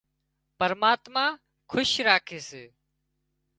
پرماتما کُش راکي سي